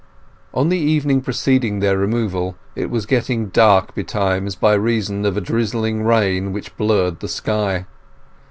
On the evening preceding their removal it was getting dark betimes by reason of a drizzling rain which blurred the sky.